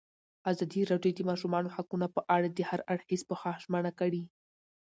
ازادي راډیو د د ماشومانو حقونه په اړه د هر اړخیز پوښښ ژمنه کړې.